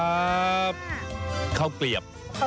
เขาเกียบเขาเกียบแล้วนะจ้าว